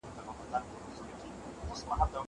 زه پرون تمرين وکړل.